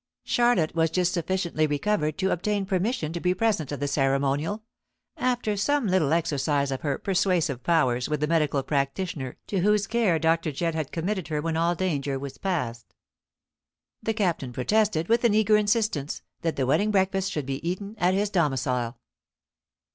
Charlotte was just sufficiently recovered to obtain permission to be present at the ceremonial, after some little exercise of her persuasive powers with the medical practitioner to whose care Dr. Jedd had committed her when all danger was past. The Captain protested, with an eager insistence, that the wedding breakfast should be eaten at his domicile.